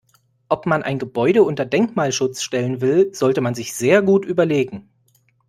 Ob man ein Gebäude unter Denkmalschutz stellen will, sollte man sich sehr gut überlegen.